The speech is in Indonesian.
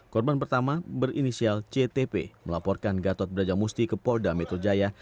korban pertama berinisial ctp melaporkan gatot brajamusti ke polda metro jaya